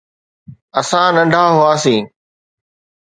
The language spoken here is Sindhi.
اسان ننڍا هئاسين.